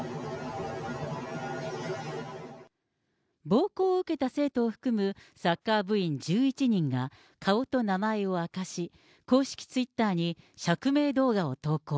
暴行を受けた生徒を含むサッカー部員１１人が、顔と名前を明かし、公式ツイッターに、釈明動画を投稿。